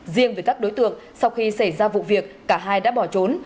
riêng với các đối tượng sau khi xảy ra vụ việc cả hai đã bỏ trốn